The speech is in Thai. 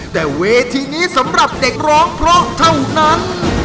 แต่เวทีนี้สำหรับเด็กร้องเพราะเท่านั้น